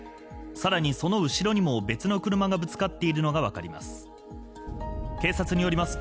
更にその後ろにも別の車がぶつかっているのが分かります。